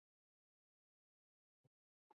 现为铁路交会点和商业中心。